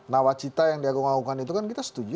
nawacita yang diagung agungkan itu kan kita setuju